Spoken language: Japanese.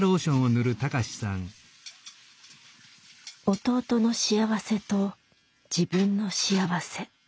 弟の幸せと自分の幸せ。